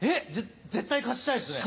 絶対勝ちたいですね。